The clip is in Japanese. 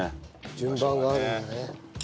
順番があるんだね。